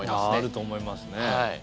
あると思いますね。